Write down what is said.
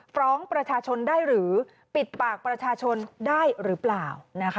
ฟ้องประชาชนได้หรือปิดปากประชาชนได้หรือเปล่า